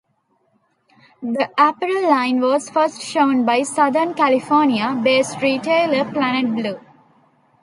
The apparel line was first shown by Southern California-based retailer Planet Blue.